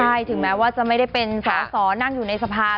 ใช่ถึงแม้ว่าจะไม่ได้เป็นสอสอนั่งอยู่ในสภา